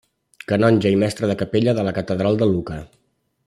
Canonge i mestre de capella de la catedral de Lucca.